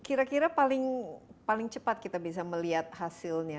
kira kira paling cepat kita bisa melihat hasilnya